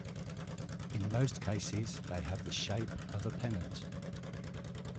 In most cases, they have the shape of a pennant.